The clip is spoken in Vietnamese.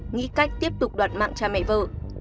nghĩ cách tiếp tục đoạt mạng cha mẹ vợ